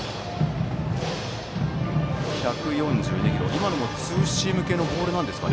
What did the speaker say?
１４２キロ、今のもツーシーム系のボールですか。